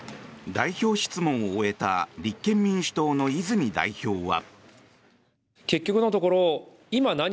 代表質問を終えた立憲民主党の泉代表は。